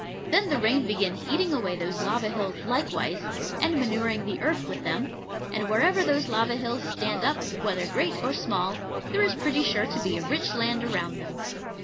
Then the rain begins eating away those lava hills likewise, and manuring the earth with them; and wherever those lava hills stand up, whether great or small, there is pretty sure to be rich land around them.